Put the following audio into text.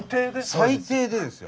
最低でですよ。